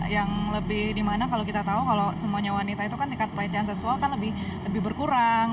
yang lebih dimana kalau kita tahu kalau semuanya wanita itu kan tingkat pelecehan seksual kan lebih berkurang